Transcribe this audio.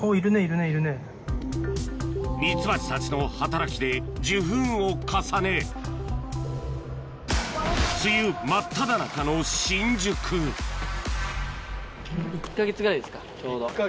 ミツバチたちの働きで受粉を重ね梅雨真っただ中の新宿１か月か。